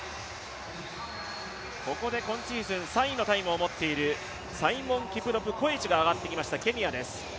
ここで今シーズン３位のタイムを持っているサイモンキプロプ・コエチが上がってきました、ケニアです。